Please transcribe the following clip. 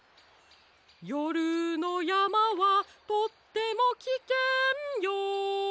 「よるのやまはとってもきけんよ」